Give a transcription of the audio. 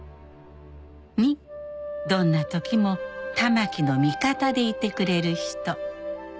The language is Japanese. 「２どんな時もたまきの味方でいてくれる人」